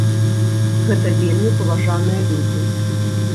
Гэта вельмі паважаныя людзі.